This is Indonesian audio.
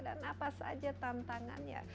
dan apa saja tantangannya